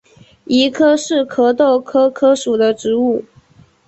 谊柯是壳斗科柯属的植物。